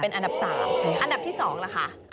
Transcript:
อันดับ๓อันดับที่๒ล่ะค่ะ